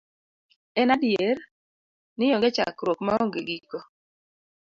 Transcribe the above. En adier ni onge chakruok ma onge giko.